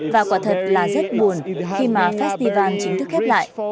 và quả thật là rất buồn khi mà festival chính thức khép lại